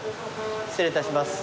失礼いたします。